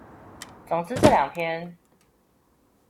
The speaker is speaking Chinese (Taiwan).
總之這兩篇